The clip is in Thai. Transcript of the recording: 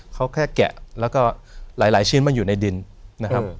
เขาแค่แกะแล้วก็หลายชิ้นมาอยู่ในดินนะครับ